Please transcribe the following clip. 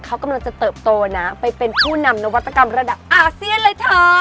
เขากำลังจะเติบโตนะไปเป็นผู้นำนวัตกรรมระดับอาเซียนเลยเถอะ